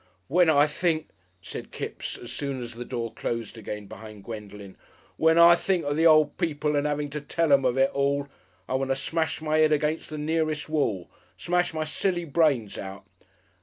"When I think," said Kipps, as soon as the door closed again behind Gwendolen, "when I think of the 'ole people and 'aving to tell 'em of it all I want to smesh my 'ead against the nearest wall. Smesh my silly brains out!